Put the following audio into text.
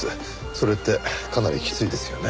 それってかなりきついですよね。